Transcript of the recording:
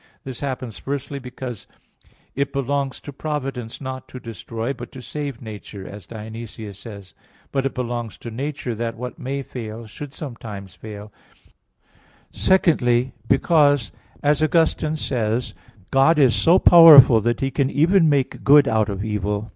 This happens, firstly, because "it belongs to Providence not to destroy, but to save nature," as Dionysius says (Div. Nom. iv); but it belongs to nature that what may fail should sometimes fail; secondly, because, as Augustine says (Enchir. 11), "God is so powerful that He can even make good out of evil."